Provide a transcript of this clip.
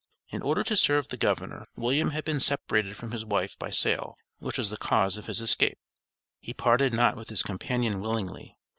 In order to serve the governor, William had been separated from his wife by sale, which was the cause of his escape. He parted not with his companion willingly.